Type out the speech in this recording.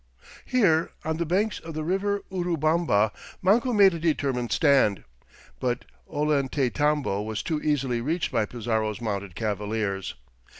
Here, on the banks of the river Urubamba, Manco made a determined stand, but Ollantaytambo was too easily reached by Pizarro's mounted cavaliers.